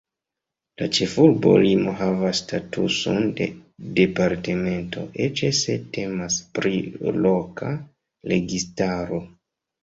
La ĉefurbo Limo havas statuson de departemento, eĉ se temas pri loka registaro.